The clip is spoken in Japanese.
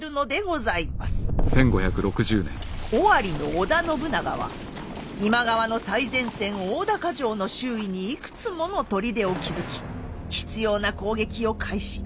尾張の織田信長は今川の最前線大高城の周囲にいくつもの砦を築き執拗な攻撃を開始。